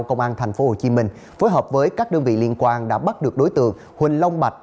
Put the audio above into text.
công an tp hcm phối hợp với các đơn vị liên quan đã bắt được đối tượng huỳnh long bạch